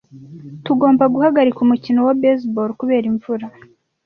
Tugomba guhagarika umukino wa baseball kubera imvura.